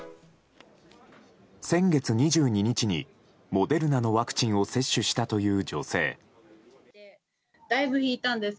先月２２日に、モデルナのワクチンを接種したという女性。